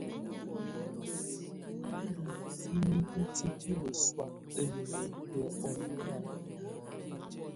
Á ndù hisini hitibilǝ sɔ̀á ǝlimǝ yɛ ɔnɛ̀á.